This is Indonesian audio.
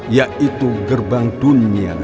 yaitu gerbang dunia